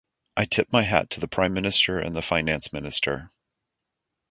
I tip my hat to the prime minister and the finance minister.